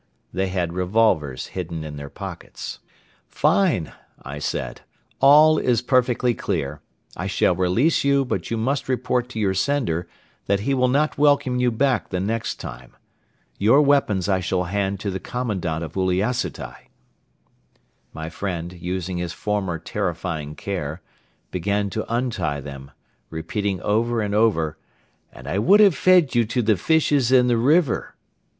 They had revolvers hidden in their pockets. "Fine!" I said. "All is perfectly clear. I shall release you but you must report to your sender that he will not welcome you back the next time. Your weapons I shall hand to the Commandant of Uliassutai." My friend, using his former terrifying care, began to untie them, repeating over and over: "And I would have fed you to the fishes in the river!"